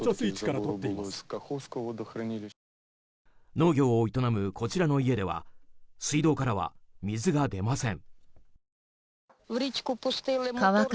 農業を営む、こちらの家では水道からは水が出ません。